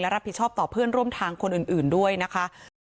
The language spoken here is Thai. รับผิดชอบต่อเพื่อนร่วมทางคนอื่นด้วยนะคะ